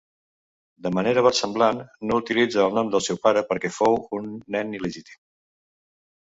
De manera versemblant, no utilitza el nom del seu pare perquè fou un nen il·legítim.